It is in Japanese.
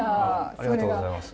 ありがとうございます。